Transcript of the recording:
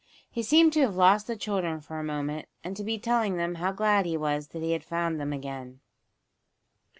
He seemed to have lost the children for a moment and to be telling them how glad he was that he had found them again.